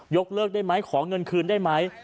เลิกได้ไหมขอเงินคืนได้ไหม